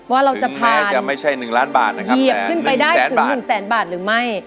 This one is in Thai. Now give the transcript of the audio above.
ว่าเราจะผ่านเหยียบขึ้นไปได้ถึง๑แสนบาทหรือไม่